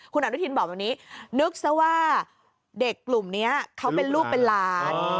คุณอนุทินบอกแบบนี้นึกซะว่าเด็กกลุ่มนี้เขาเป็นลูกเป็นหลาน